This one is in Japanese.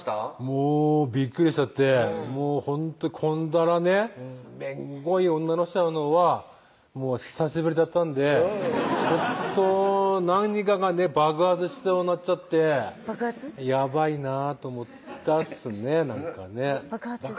もうびっくりしちゃってもうほんとこんだらねめんこい女の人会うのはもう久しぶりだったんでちょっと何かがね爆発しそうになっちゃってやばいなぁと思ったっすねなんかね爆発？